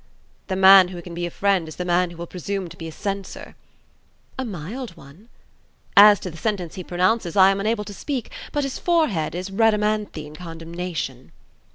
"The man who can be a friend is the man who will presume to be a censor." "A mild one." "As to the sentence he pronounces, I am unable to speak, but his forehead is Rhadamanthine condemnation."